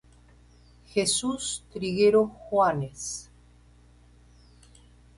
Jesús Triguero Juanes.